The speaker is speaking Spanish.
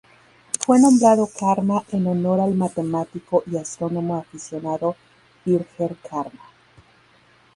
Fue nombrado Karma en honor al matemático y astrónomo aficionado Birger Karma.